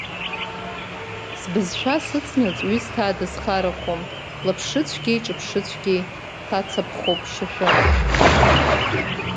Сбызшәа сыцнаҵ ҩысҭаа дысхарахом, лаԥшыцәгьеи-ҿаԥшыцәгьеи ҭацаԥхоуп шьашәы.